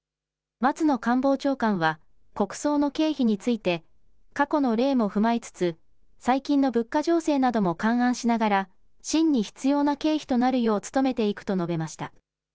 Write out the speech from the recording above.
松野官房長官は国葬の経費について過去の例も踏まえつつ最近の物価情勢なども勘案しながら真に必要な経費となるよう努めていくと述べました。